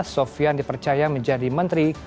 sofian dipercaya menjadi menteri